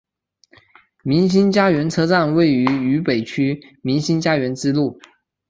民心佳园车站位于渝北区民心佳园支路。